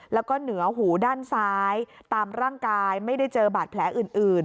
แล้วก็เหนือหูด้านซ้ายตามร่างกายไม่ได้เจอบาดแผลอื่น